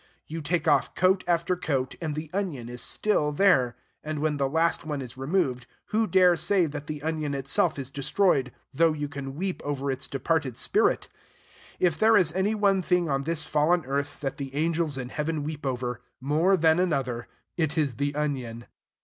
You take off coat after coat, and the onion is still there; and, when the last one is removed, who dare say that the onion itself is destroyed, though you can weep over its departed spirit? If there is any one thing on this fallen earth that the angels in heaven weep over more than another, it is the onion.